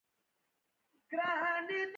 بدرنګه سړی د دوستۍ وړ نه وي